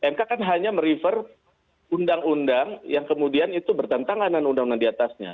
mk kan hanya merefer undang undang yang kemudian itu bertentangan dengan undang undang diatasnya